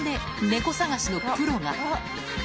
猫捜しのプロが。